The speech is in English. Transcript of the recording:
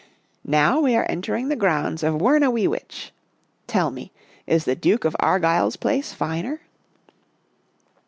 " Now we are entering the grounds of Wuurna wee weetch. Tell me, is the Duke of Argyle's place finer?